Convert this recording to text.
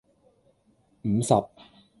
五十